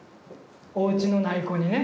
おうちのない子にね